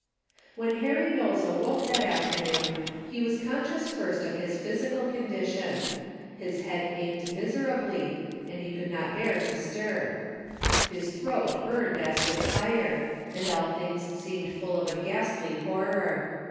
When Harry Knowles awoke that after noon, he was conscious first of his physical condition. His head ached miserably, and he A DAILY RATE.'' 187 could not bear to stir. His throat burned as with fire, and all things seemed full of a ghastly horror.